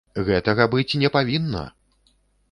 Гэтага быць не павінна!